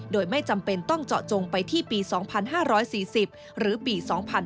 โดยไม่จำเป็นต้องเจาะจงไปที่ปี๒๕๔๐หรือปี๒๕๕๙